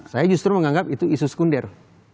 saya justru menganggap itu isu sekunder